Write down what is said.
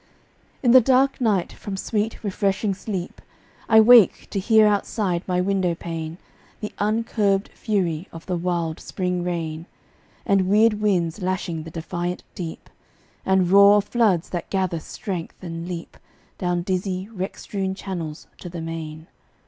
In the dark night, from sweet refreshing sleep I wake to hear outside my window pane The uncurbed fury of the wild spring rain, And weird winds lashing the defiant deep, And roar of floods that gather strength and leap Down dizzy, wreck strewn channels to the main.